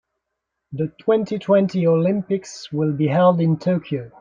The twenty-twenty Olympics will be held in Tokyo.